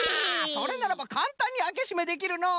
それならばかんたんにあけしめできるのう！